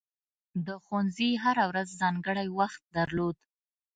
د ښوونځي هره ورځ ځانګړی وخت درلود.